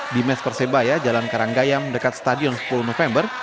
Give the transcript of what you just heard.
di mes persebaya jalan karanggayam dekat stadion sepuluh november